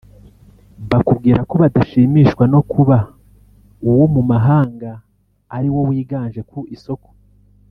bakubwira ko badashimishwa no kuba uwo mu mahanga ari wo wiganje ku isoko